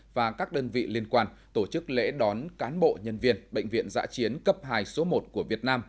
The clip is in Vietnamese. và các đơn vị liên quan tổ chức lễ đón cán bộ nhân viên bệnh viện giã chiến cấp hai số một của việt nam